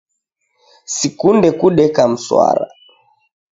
Sikunde kudeka mswara.